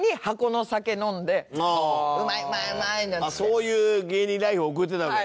そういう芸人ライフを送ってたわけだ。